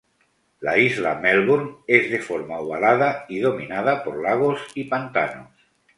La isla Melbourne es de forma ovalada, y dominada por lagos y pantanos.